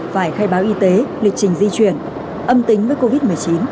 phải khai báo y tế lịch trình di chuyển âm tính với covid một mươi chín